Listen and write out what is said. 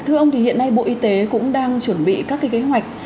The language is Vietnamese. thưa ông thì hiện nay bộ y tế cũng đang chuẩn bị các cái kế hoạch